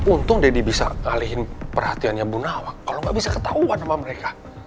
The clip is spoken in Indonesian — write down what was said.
untung deddy bisa ngalihin perhatiannya bu nawa kalau nggak bisa ketahuan sama mereka